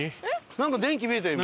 なんか電気見えた今。